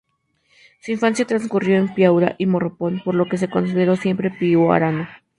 Su infancia transcurrió en Piura y Morropón, por lo que se consideró siempre piurano.